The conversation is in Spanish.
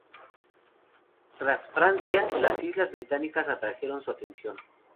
Tras Francia, las islas británicas atrajeron su atención.